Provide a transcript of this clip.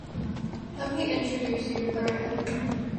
Let me introduce you to Bran.